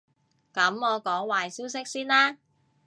噉我講壞消息先啦